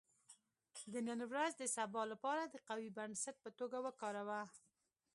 • د نن ورځ د سبا لپاره د قوي بنسټ په توګه وکاروه.